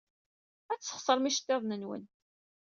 Ad tesxeṣrem iceḍḍiḍen-nwen.